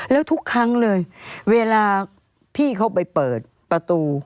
แล้วทุกครั้งเลยเวลาพี่เขาไปเปิดประตู